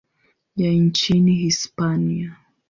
ya nchini Hispania.